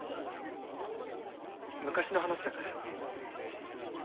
昔の話だから。